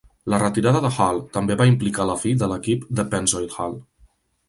La retirada de Hall també va implicar la fi de l'equip de Pennzoil Hall.